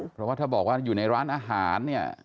เพราะว่าถ้าบอกว่าอยู่ในร้านอาหารเนี่ย